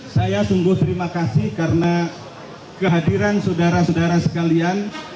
saya sungguh terima kasih karena kehadiran saudara saudara sekalian